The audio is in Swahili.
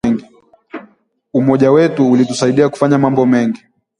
Umoja wetu ulitusaidia kufanya mambo mengi